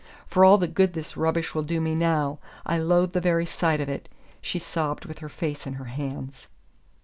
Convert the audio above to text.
"For all the good this rubbish will do me now! I loathe the very sight of it!" she sobbed with her face in her hands.